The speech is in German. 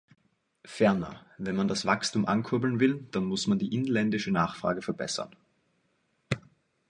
Ferner, wenn man das Wachstum ankurbeln will, dann muss man die inländische Nachfrage verbessern.